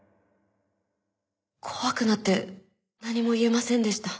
怖くなって何も言えませんでした。